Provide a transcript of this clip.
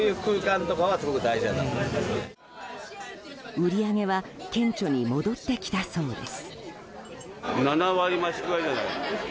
売り上げは顕著に戻ってきたそうです。